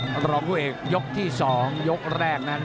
รองผู้เอกยกที่๒ยกแรกนั้น